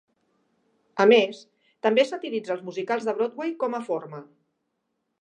A més, també satiritza els musicals de Broadway com a forma.